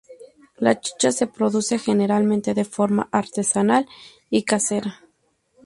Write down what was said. La chicha se produce generalmente de forma artesanal y casera.